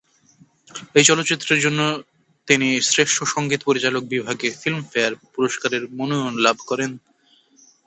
এই চলচ্চিত্রের জন্য তিনি শ্রেষ্ঠ সঙ্গীত পরিচালক বিভাগে ফিল্মফেয়ার পুরস্কারের মনোনয়ন লাভ করেন।